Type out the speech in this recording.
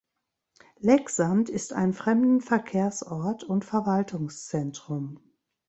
Leksand ist ein Fremdenverkehrsort und Verwaltungszentrum.